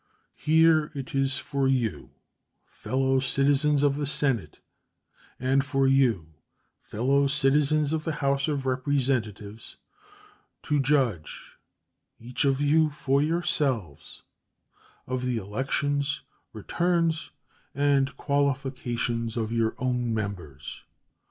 Here it is for you, fellow citizens of the Senate, and for you, fellow citizens of the House of Representatives, to judge, each of you for yourselves, of the elections, returns, and qualifications of your own members.